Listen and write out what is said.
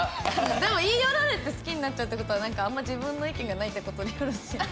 でも言い寄られて好きになっちゃうって事はあんま自分の意見がないって事でよろしいですか？